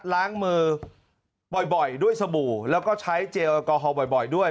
ล้างมือบ่อยด้วยสบู่แล้วก็ใช้เจลแอลกอฮอล์บ่อยด้วย